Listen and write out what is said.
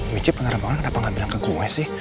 bicara penerbangan kenapa gak bilang ke gue sih